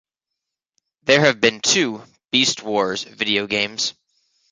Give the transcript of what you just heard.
There have been two "Beast Wars" video games.